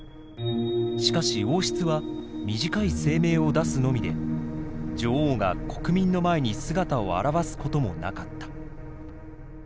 しかし王室は短い声明を出すのみで女王が国民の前に姿を現すこともなかった。